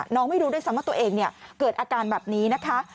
น่องไม่รู้สำหรับตัวเองเนี่ยเกิดอาการแบบนี้นะคะ